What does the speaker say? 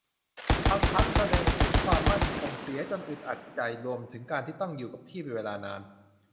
บางครั้งแสดงถึงความมั่นคงเสียจนอึดอัดใจ รวมถึงการต้องอยู่กับที่เป็นเวลานาน